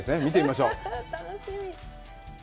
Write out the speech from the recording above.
見てみましょう！